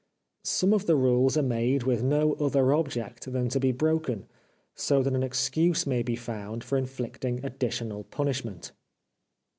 Some of the rules are made with no other object than to be broken, so that an excuse may be found for inflicting additional punishment.